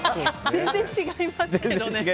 全然違いますけどね。